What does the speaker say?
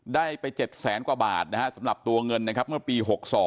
ได้ไป๗แสนกว่าบาทนะฮะสำหรับตัวเงินนะครับเมื่อปี๖๒